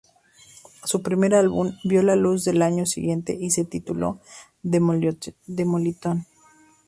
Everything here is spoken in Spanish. Su primer álbum vio la luz al año siguiente, y se tituló "Demolition".